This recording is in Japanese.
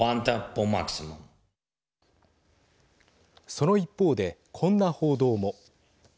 その一方でこんな報道も。